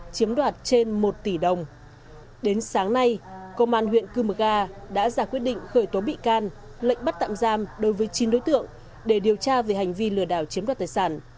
công an huyện cư mực hà đã ra quyết định khởi tố bị can lệnh bắt tạm giam đối với chín đối tượng để điều tra về hành vi lừa đảo chiếm đoạt tài sản